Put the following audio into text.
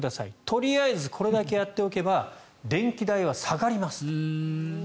とりあえずこれだけやっておけば電気代は下がります。